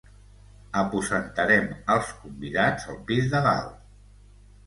Aposentarem els convidats al pis de dalt.